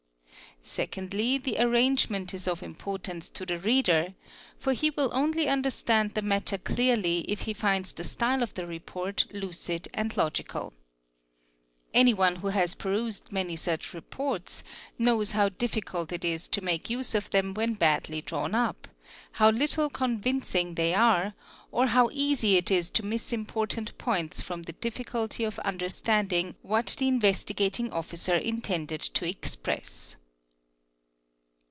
Secondly, the arrangement is of importance to the reader, for he will only understand the matter clearly if he finds the style of the report lucid and logical. Anyone who has perused many such reports knows how difficult it is to aT SANTA Re <2 NM TATE" 1 ARMY ET make use of them when badly drawn up, how little convincing they are, RD: or how easy it is to miss important points from the difficulty of under tanding what the Investigating Officer intended to express.